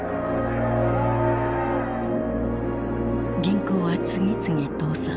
銀行は次々倒産。